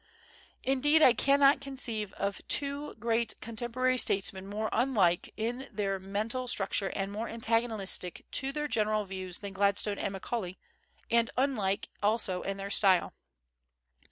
Indeed, I cannot conceive of two great contemporary statesmen more unlike in their mental structure and more antagonistic in their general views than Gladstone and Macaulay, and unlike also in their style.